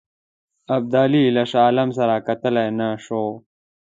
ابدالي له شاه عالم سره کتلای نه شو.